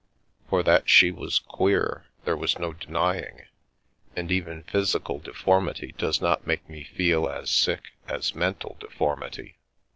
For that she was "queer" there was no denying, and even physical deformity does not make me feel as sick as mental deformity.